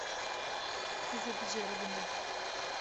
Ez ê biceribînim.